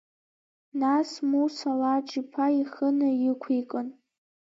Нас Муса Лаџ-иԥа ихы наиқәикын…